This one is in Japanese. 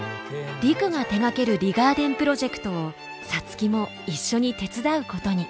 陸が手がけるリガーデンプロジェクトを皐月も一緒に手伝うことに。